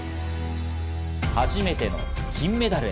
初めての金メダルへ。